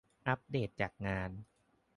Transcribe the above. อัปเดตจากงาน